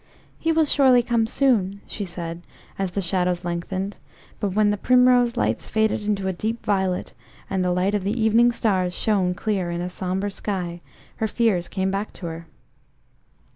"He will surely come soon," she said, as the shadows lengthened; but when the primrose lights faded into a deep violet, and the light of the evening stars shone clear in a sombre sky, her fears came back to her.